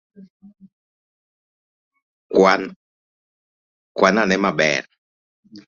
Kwan ane maber